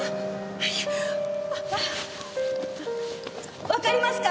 あいえ。わかりますか？